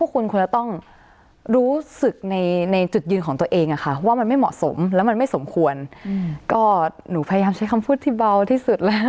ก็หนูพยายามใช้คำพูดที่เบาที่สุดแล้ว